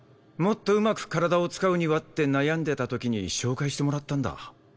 もっとうまく体を使うにはって悩んでた時に紹介してもらったんだ。